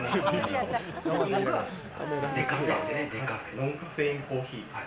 ノンカフェインコーヒーだね。